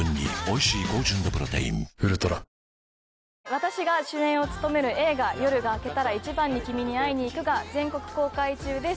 私が主演を務める映画『夜が明けたら、いちばんに君に会いにいく』が全国公開中です。